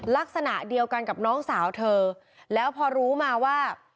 ลักษณะเดียวกันกับน้องสาวเธอแล้วพอรู้มาว่า